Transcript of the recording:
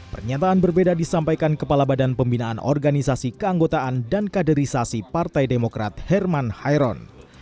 pernyataan berbeda disampaikan kepala badan pembinaan organisasi keanggotaan dan kaderisasi partai demokrat herman hairon